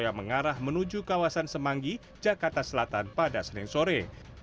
yang mengarah menuju kawasan semanggi jakarta selatan pada senin sore